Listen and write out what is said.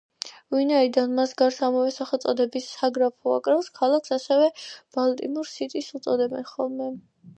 ვინაიდან მას გარს ამავე სახელწოდების საგრაფო აკრავს, ქალაქს ასევე ბალტიმორ სიტის უწოდებენ ხოლმე.